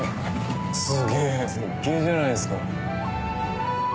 すげぇ絶景じゃないっすか。